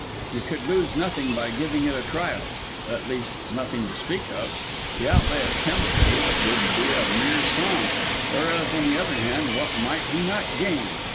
He could lose nothing by giving it a trial at least nothing to speak of the outlay on chemicals would be a mere song whereas, on the other hand, what might he not gain!